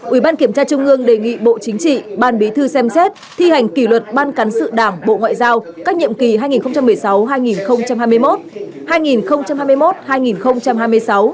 ủy ban kiểm tra trung ương đề nghị bộ chính trị ban bí thư xem xét thi hành kỷ luật ban cán sự đảng bộ ngoại giao các nhiệm kỳ hai nghìn một mươi sáu hai nghìn hai mươi một hai nghìn hai mươi một hai nghìn hai mươi sáu